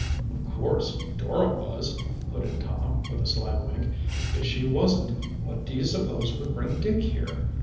"Of course Dora was," put in Tom, with a sly wink. "If she wasn't, what do you suppose would bring Dick here?